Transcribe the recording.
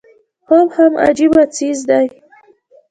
خوب هم عجيبه څيز دی